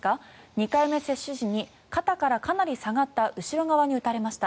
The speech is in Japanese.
２回目接種時に肩からかなり下がった後ろ側に打たれました。